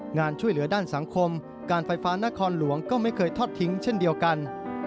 งานช่วยเหลือด้านสังคมการไฟฟ้านครหลวงก็ไม่เคยทอดทิ้งเช่นเดียวกัน